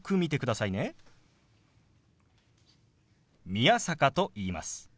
宮坂と言います。